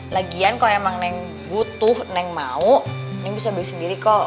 lagian kalau emang neng butuh neng mau neng bisa beli sendiri kok